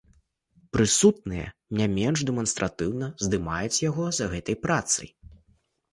Прысутныя не менш дэманстратыўна здымаюць яго за гэтай працай.